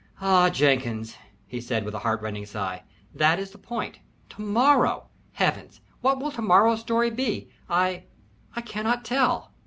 "Ah, Jenkins," he said, with a heart rending sigh, "that is the point. To morrow! Heavens! what will to morrow's story be? I I cannot tell."